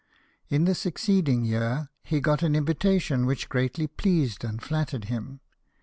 In the succeeding year, he got an invitation which greatly pleased and flattered him.